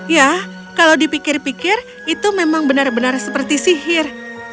ya kalau dipikir pikir itu memang benar benar seperti sihir